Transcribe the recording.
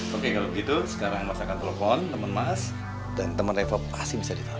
oke kalau begitu sekarang mas akan telepon temen mas dan temen reva pasti bisa ditolong